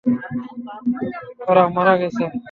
ওরা মারা গেছে!